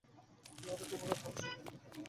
তুই অনেক উপকার করেছিস, ডলি।